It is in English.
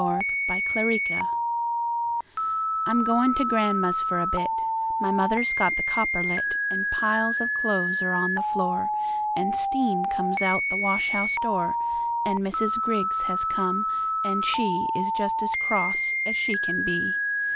On Washing Day "I'm going to gran'ma's for a bit My mother's got the copper lit; An' piles of clothes are on the floor, An' steam comes out the wash house door; An' Mrs. Griggs has come, an' she Is just as cross as she can be.